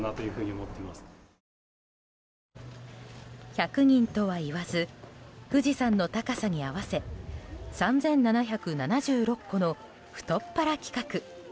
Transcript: １００人とはいわず富士山の高さに合わせ３７７６個の太っ腹企画。